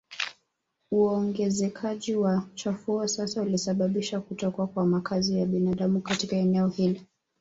Uongezekaji wa chafuo sasa ulisababisha kutokuwa kwa makazi ya binadamu katika eneo hili